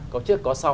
có trước có sau